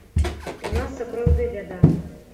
У нас, сапраўды, бяда.